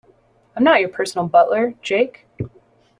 I'm not your personal butler, Jake.